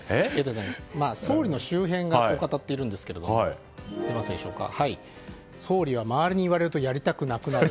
総理の周辺がこう語っているんですが総理は周りに言われるとやりたくなくなる。